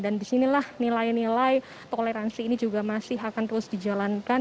dan disinilah nilai nilai toleransi ini juga masih akan terus dijalankan